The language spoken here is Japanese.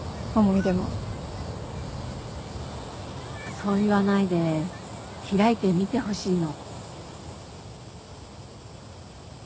そう言わないで開いて見てほしいの。